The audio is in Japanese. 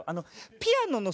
ピアノのさ